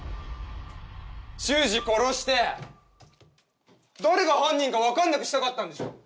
秀司殺して誰が犯人か分かんなくしたかったんでしょ？